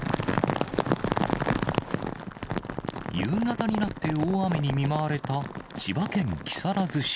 夕方になって大雨に見舞われた、千葉県木更津市。